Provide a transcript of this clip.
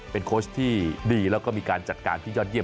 เป็นโค้ชที่ดีแล้วก็มีการจัดการที่ยอดเยี่